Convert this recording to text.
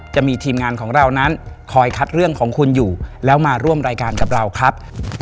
จะมีทีมงานของเรานั้นคอยคัดเรื่องของคุณอยู่แล้วมาร่วมรายการกับเราครับ